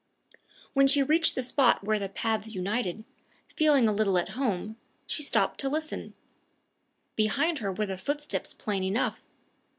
When she reached the spot where the paths united, feeling a little at home, she stopped to listen. Behind her were the footsteps plain enough!